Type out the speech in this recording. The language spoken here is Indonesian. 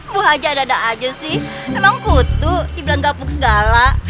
bu aceh ada ada aja sih emang kutuk dibilang gabuk segala